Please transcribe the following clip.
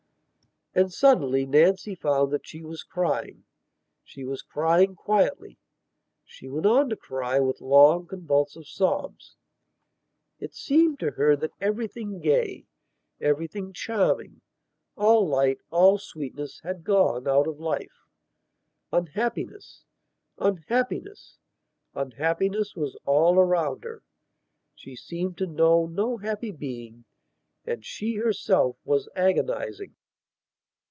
And suddenly Nancy found that she was crying. She was crying quietly; she went on to cry with long convulsive sobs. It seemed to her that everything gay, everything charming, all light, all sweetness, had gone out of life. Unhappiness; unhappiness; unhappiness was all around her. She seemed to know no happy being and she herself was agonizing....